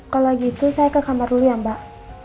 kalau gitu saya ke kamar dulu ya mbak